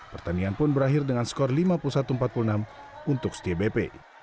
pertandingan pun berakhir dengan skor lima puluh satu empat puluh enam untuk setia bp